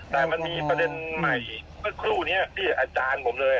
อย่างน้ำในตาแต่มันมีประเด็นใหม่ก็คลู่พี่โอ่อาจารย์ผมเลย